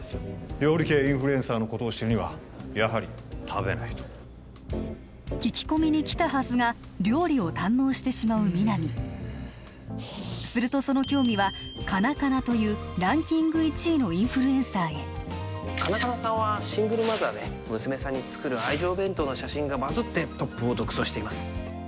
料理系インフルエンサーのことを知るにはやはり食べないと聞き込みに来たはずが料理を堪能してしまう皆実するとその興味はカナカナというランキング１位のインフルエンサーへカナカナさんはシングルマザーで娘さんに作る愛情弁当の写真がバズってトップを独走しています